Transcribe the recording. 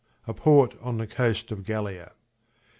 A port on the coast of Gallia.